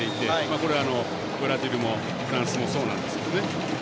これはブラジルもフランスもそうなんですけどね。